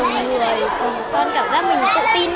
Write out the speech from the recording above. các em nhỏ tham gia đêm diễn cho thấy sự tự tin